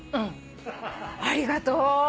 ありがとう！